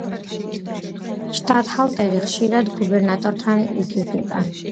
შტატჰალტერი ხშირად გუბერნატორთან იგივდება.